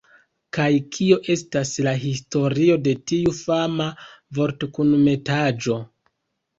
Kaj kio estas la historio de tiu fama vortkunmetaĵo